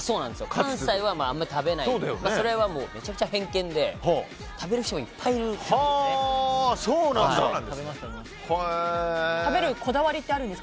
関西はあまり食べないですがそれはめちゃくちゃ偏見で食べる人もいっぱいいるんです。